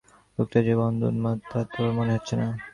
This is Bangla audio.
লোকটা যে বদ্ধ উন্মাদ, তা তোর মনে হচ্ছে না?